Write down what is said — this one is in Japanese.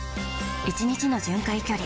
１日の巡回距離